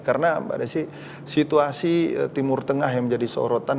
karena mbak desy situasi timur tengah yang menjadi sorotan